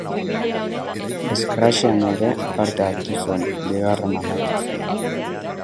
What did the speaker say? Scratchean ere parte hartu zuen, bigarren amaituz.